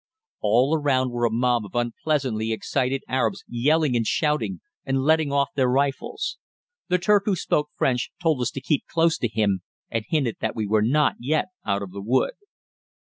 All around were a mob of unpleasantly excited Arabs yelling and shouting and letting off their rifles. The Turk who spoke French told us to keep close to him, and hinted that we were not yet out of the wood.